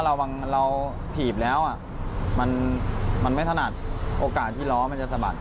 เราถีบแล้วมันไม่ถนัดโอกาสที่ล้อมันจะสะบัด